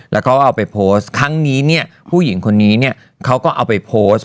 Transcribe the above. แล้วก็เอาไปโพสต์ครั้งนี้เนี่ยผู้หญิงคนนี้เนี่ยเขาก็เอาไปโพสต์